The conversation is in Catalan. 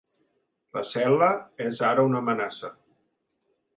La cel·la és ara una amenaça.